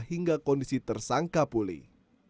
hingga kondisi tersangka pulih